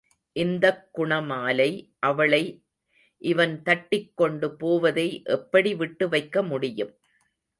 இந்தக் குணமாலை அவளை இவன் தட்டிக் கொண்டு போவதை எப்படி விட்டு வைக்க முடியும்.